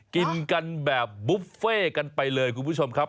กินกันแบบบุฟเฟ่กันไปเลยคุณผู้ชมครับ